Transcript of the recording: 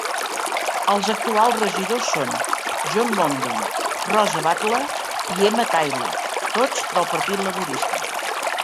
Els actuals regidors són John Longden, Rosa Battle i Emma Taylor, tots del Partit Laborista.